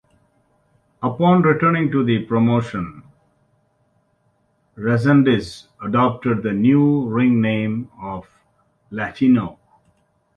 Upon returning to the promotion, Resendiz adopted the new ring name of Latino.